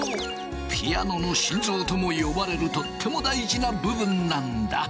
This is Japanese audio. ピアノの心臓とも呼ばれるとっても大事な部分なんだ。